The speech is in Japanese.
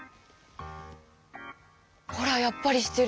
ほらやっぱりしてる！